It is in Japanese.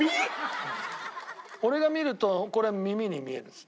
俺が見るとこれ耳に見えるんです。